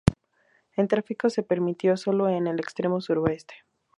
El tráfico se permitió solo en el extremo suroeste.